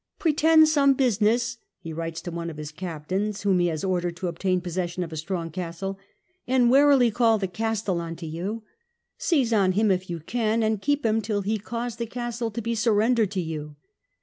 " Pretend some business," he writes to one of his captains whom he has ordered to obtain possession of a strong castle, " and warily call the Castellan to you : seize on him if you can and keep him till he cause the castle to be surrendered to you."